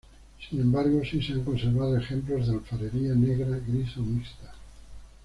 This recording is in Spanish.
Sin embargo sí se han conservado ejemplos de alfarería negra, gris o mixta.